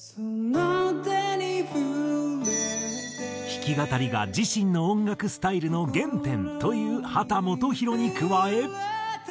弾き語りが自身の音楽スタイルの原点という秦基博に加え。